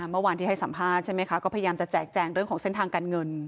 เมื่อวานที่ให้สัมภาษณ์ใช่ไหมคะก็พยายามจะแจกแจงเรื่องของเส้นทางการเงิน